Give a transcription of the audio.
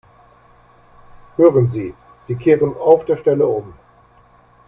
Hören Sie, Sie kehren auf der Stelle um!